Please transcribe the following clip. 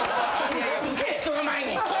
その前に。